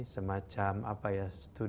semacam apa ya